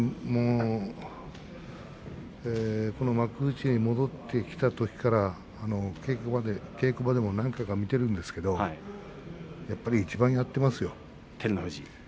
幕内に戻ってきたときから稽古場でも何回か見ているんですがいちばん稽古をやっています照ノ富士は。